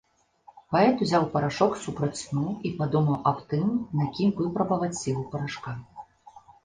Паэт узяў парашок супраць сну і падумаў аб тым, на кім выпрабаваць сілу парашка.